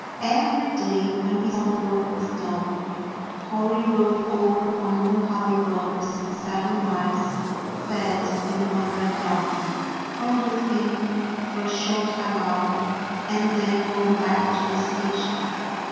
Every day, when his other work was done, Hori rode over on Mulhaly Brothers, seven miles, fed and watered Darky, fondled him for a short half hour, and then rode back to the station.